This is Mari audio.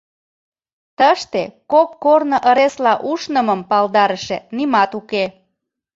Тыште кок корно ыресла ушнымым палдарыше нимат уке.